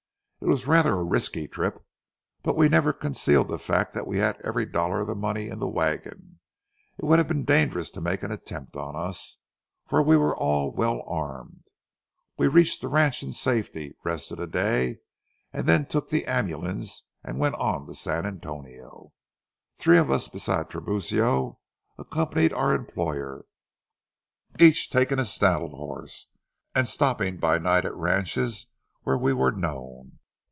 It was rather a risky trip, but we never concealed the fact that we had every dollar of the money in the wagon. It would have been dangerous to make an attempt on us, for we were all well armed. We reached the ranch in safety, rested a day, and then took the ambulance and went on to San Antonio. Three of us, besides Tiburcio, accompanied our employer, each taking a saddle horse, and stopping by night at ranches where we were known.